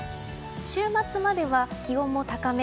週末までは気温も高め。